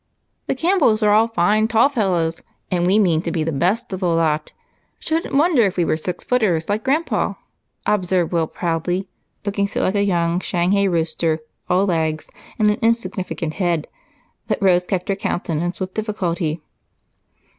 "The Campbells are all fine, tall fellows, and we mean to be the best of the lot. Shouldn't wonder if we were six footers like Grandpa," observed Will proudly, looking so like a young Shanghai rooster, all legs and an insignificant head, that Rose kept her countenance with difficulty.